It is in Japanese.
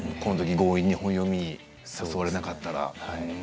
強引に本読みに誘われなかったら？